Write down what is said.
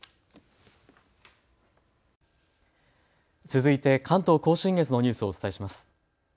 続いて関東甲信越のニュースをお伝えします。